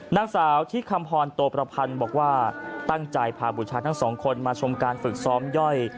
นางสาวที่คำพรโตประพันธ์บอกว่าตั้งใจพาบุชาทั้งสองคนมาชมการฝึกซ้อมย่อย